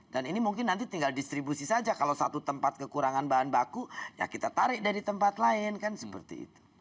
dan ini mungkin nanti tinggal distribusi saja kalau satu tempat kekurangan bahan baku ya kita tarik dari tempat lain kan seperti itu